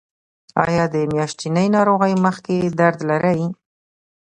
ایا د میاشتنۍ ناروغۍ مخکې درد لرئ؟